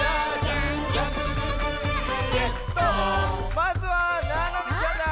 まずはななみちゃんだ！